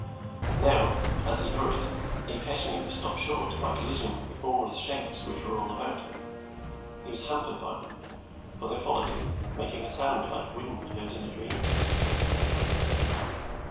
Now, as he hurried, he occasionally was stopped short by collision with the formless shapes which were all about him. He was hampered by them, for they followed him, making a sound like wind heard in a dream.